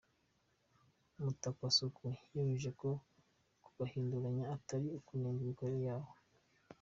Mutakwasuku yemeje ko kubahinduranya atari ukunenga imikorere yabo.